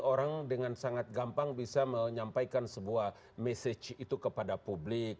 orang dengan sangat gampang bisa menyampaikan sebuah message itu kepada publik